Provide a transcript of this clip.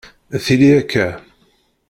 Tili akka